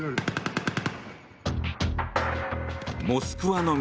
モスクワの南